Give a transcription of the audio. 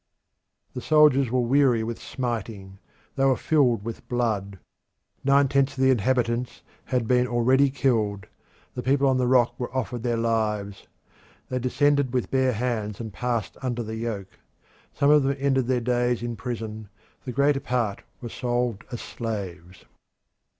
The soldiers were weary with smiting: they were filled with blood. Nine tenths of the inhabitants had been already killed. The people on the rock were offered their lives; they descended with bare hands and passed under the yoke. Some of them ended their days in prison; the greater part were sold as slaves.